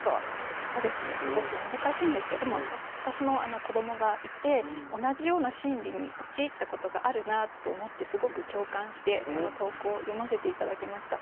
そうですねすごく難しいんですけどでも私も子どもがいて同じような心理に陥ったことがあるなと思ってすごく共感してこの投稿読ませて頂きました。